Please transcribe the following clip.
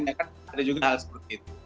ya kan ada juga hal seperti itu